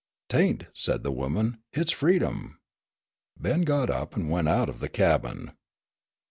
"'Tain't," said the woman. "Hit's freedom." Ben got up and went out of the cabin.